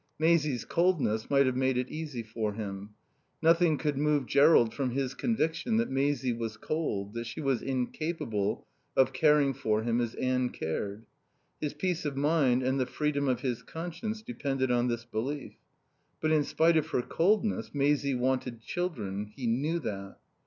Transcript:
Maisie's coldness might have made it easy for him. Nothing could move Jerrold from his conviction that Maisie was cold, that she was incapable of caring for him as Anne cared. His peace of mind and the freedom of his conscience depended on this belief. But, in spite of her coldness, Maisie wanted children. He knew that.